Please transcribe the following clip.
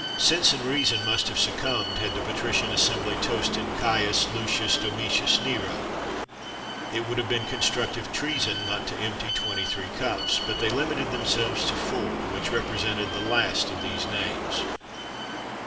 [XXXV 74] Sense and reason must have succumbed, had the patrician assembly toasted Caius Lucius Domitius Nero: it would have been constructive treason not to empty twenty three cups; but they limited themselves to four, which represented the last of these names.